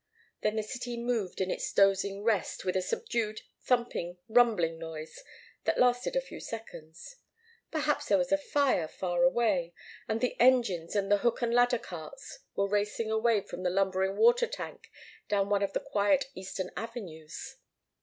Then the city moved in its dozing rest, with a subdued thumping, rumbling noise that lasted a few seconds. Perhaps there was a fire far away, and the engines and the hook and ladder carts were racing away from the lumbering water tank down one of the quiet eastern avenues.